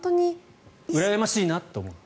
うらやましいなと思う？